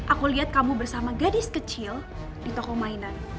aku lihat kamu bersama gadis kecil di toko mainan